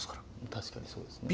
確かにそうですね。